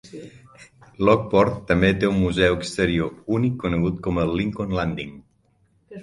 Lockport també té un museu exterior únic conegut com el Lincoln Landing.